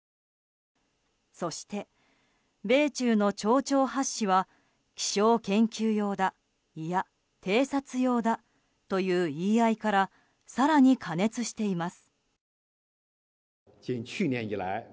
そして、米中の丁々発止は気球研究用だいや偵察用だという言い合いから言い合いから更に過熱しています。